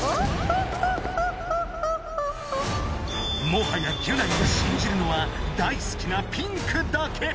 もはやギュナイが信じるのは大好きなピンクだけ。